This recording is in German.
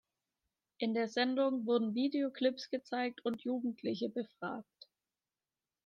In der Sendung wurden Videoclips gezeigt und Jugendliche befragt.